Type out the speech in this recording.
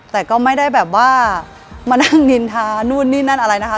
แต่ก็ไม่ได้แบบว่ามานั่งนินทานู่นนี่นั่นอะไรนะคะ